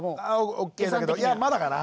オッケーだけどいやまだかな！